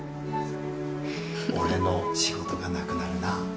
俺の仕事がなくなるな。